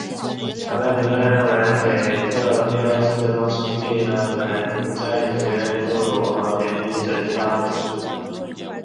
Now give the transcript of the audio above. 当代评论认为腓特烈二世当时目的可能在于羞辱和贬低哲学家和艺术家。